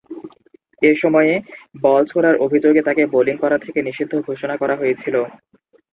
এ সময়ে বল ছোঁড়ার অভিযোগে তাকে বোলিং করা থেকে নিষিদ্ধ ঘোষণা করা হয়েছিল।